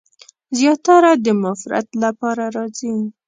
زیاتره د مفرد لپاره راځي.